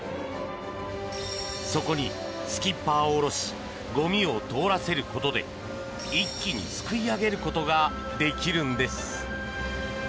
そこにスキッパーを下ろしゴミを通らせることで一気にすくい上げることができるんです。